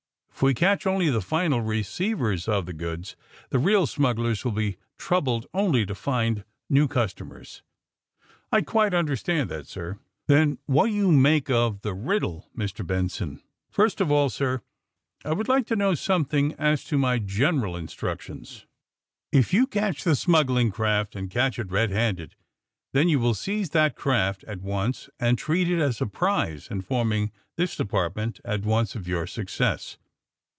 K we catch only the final receivers of the goods the real smugglers will be troubled only to find new customers." I quite understand that, sir." ^'Then what do you make of the riddle, Mr. Benson!" ^^ First of all, sir, I would like to know some thing as to my general instructions." ^*If you catch the smuggling craft, and catch it red handed, then you will seize that craft at once and treat it as a prize, informing this de partment at once of your success.